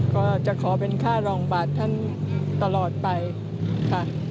ก็จะขอเป็นค่ารองบาทท่านตลอดไปค่ะ